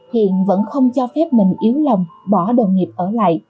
hiện vẫn không cho phép mình yếu lòng bỏ đồng nghiệp ở lại